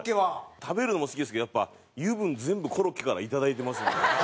食べるのも好きですけどやっぱ油分全部コロッケからいただいてますんで。